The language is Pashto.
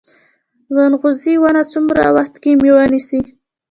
ځنغوزي ونه څومره وخت کې میوه نیسي؟